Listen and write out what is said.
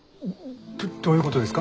どどういうことですか？